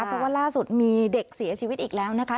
เพราะว่าล่าสุดมีเด็กเสียชีวิตอีกแล้วนะคะ